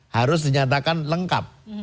harus dinyatakan lengkap